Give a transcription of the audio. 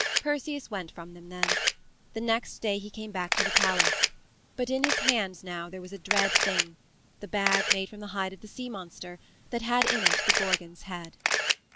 Perseus went from them then. The next day he came back to the palace. But in his hands now there was a dread thing the bag made from the hide of the sea monster that had in it the Gorgon's head.